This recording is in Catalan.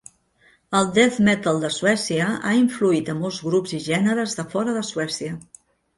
El death metal de Suècia ha influït a molts grups i gèneres de fora de Suècia.